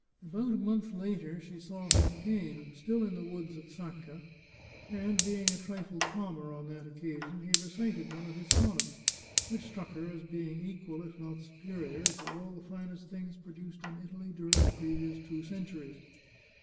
About a month later she saw him again, still in the woods at Sacca, and, being a trifle calmer on that occasion, he recited one of his sonnets, which struck her as being equal, if not superior, to all the finest things produced in Italy during the two previous centuries.